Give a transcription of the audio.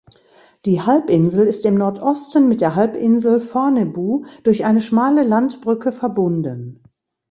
Die Halbinsel ist im Nordosten mit der Halbinsel Fornebu durch eine schmale Landbrücke verbunden.